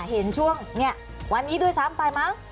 เห็นช่วงวันนี้ด้วยซ้ำไปมั้ง